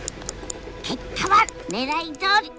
結果はねらいどおり。